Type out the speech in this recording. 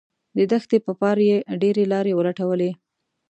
د تېښتې په پار یې ډیرې لارې ولټولې